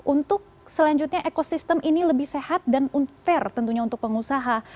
untuk selanjutnya ekosistem ini lebih sehat dan fair tentunya untuk pengusaha